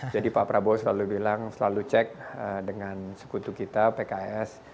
jadi pak prabowo selalu bilang selalu cek dengan sekutu kita pks